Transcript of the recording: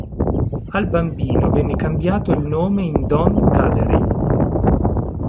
Al bambino venne cambiato il nome in Don Gallery.